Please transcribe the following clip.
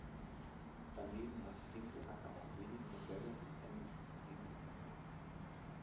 Daneben hat Dinkelacker auch wenige Modelle in englischem Stil im Programm.